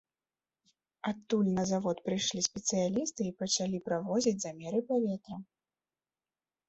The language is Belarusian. Адтуль на завод прыйшлі спецыялісты і пачалі праводзіць замеры паветра.